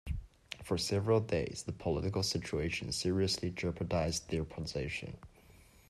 For several days, the political situation seriously jeopardised their position.